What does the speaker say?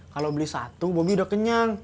kalau beli satu bobi udah kenyang